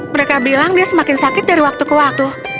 mereka bilang dia semakin sakit dari waktu ke waktu